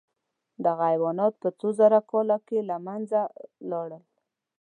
دغه حیوانات په څو زرو کالو کې له منځه لاړل.